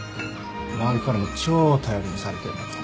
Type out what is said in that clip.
周りからも超頼りにされてんだから。